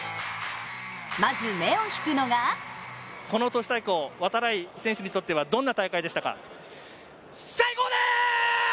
まず目を引くのがこの都市対抗、度会選手にとってはどんな大会でしたか？